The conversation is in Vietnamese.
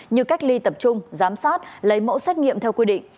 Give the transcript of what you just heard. như cách ly tập trung giám sát lấy mẫu xét nghiệm theo quy định